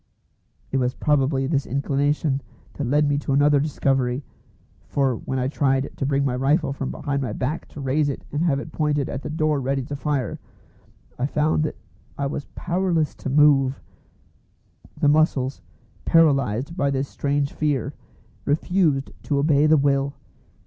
It was probably this inclination that led me to another discovery, for when I tried to bring my rifle from behind my back to raise it and have it pointed at the door ready to fire, I found that I was powerless to move. The muscles, paralysed by this strange fear, refused to obey the will.